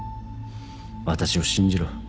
私を信じろ。